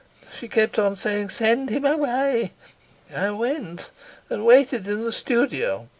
She kept on saying, 'Send him away!' I went, and waited in the studio.